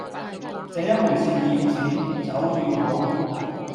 這一回是現錢，酒要好